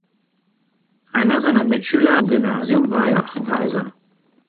Einer seiner Mitschüler am Gymnasium war Joachim Kaiser.